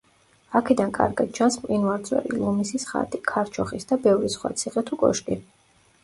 აქედან კარგად ჩანს მყინვარწვერი, ლომისის ხატი, ქარჩოხის და ბევრი სხვა ციხე თუ კოშკი.